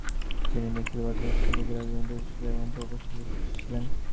তিনি নিখিল ভারত মুসলিম লীগের একজন প্রতিষ্ঠাতা এবং প্রভাবশালী সদস্য ছিলেন।